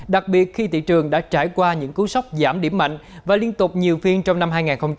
đặc biệt khi thị trường đã trải qua những cú sốc giảm điểm mạnh và liên tục nhiều phiên trong năm hai nghìn hai mươi